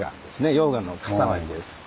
溶岩の塊です。